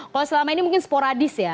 kalau selama ini mungkin sporadis ya